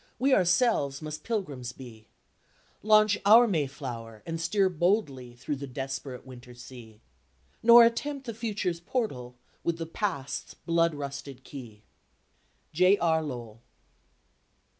we ourselves must pilgrims be, Launch our Mayflower, and steer boldly through the desperate winter sea, Nor attempt the Future's portal with the Past's blood rusted key." J. R. LOWELL.